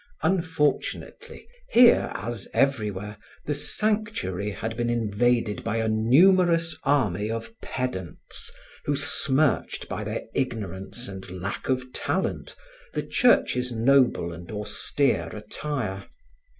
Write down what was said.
Unfortunately, here as everywhere, the sanctuary had been invaded by a numerous army of pedants who smirched by their ignorance and lack of talent the Church's noble and austere attire.